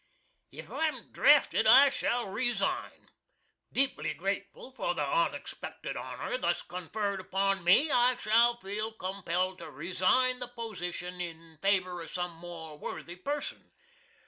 If I'm drafted I shall RESIGN. Deeply grateful for the onexpected honor thus confered upon me I shall feel compeld to resign the position in favor of sum more worthy person.